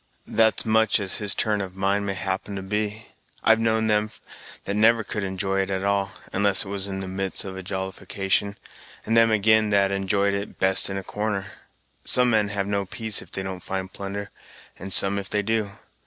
"That's much as his turn of mind may happen to be. I've known them that never could enjoy it at all, unless it was in the midst of a jollification, and them again that enjoyed it best in a corner. Some men have no peace if they don't find plunder, and some if they do.